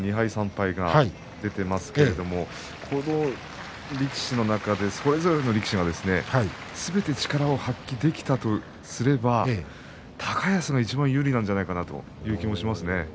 ２敗、３敗が出ていますけれどもこの力士の中でそれぞれの力士がすべて力を発揮できたとすれば高安がいちばん有利なのではないかという気もしますね。